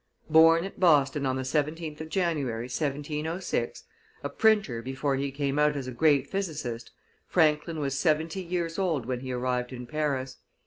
Born at Boston on the 17th of January, 1706, a printer before he came out as a great physicist, Franklin was seventy years old when he arrived in Paris.